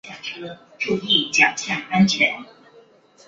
他逝世后国内各地城市都举行了大规模的追悼会。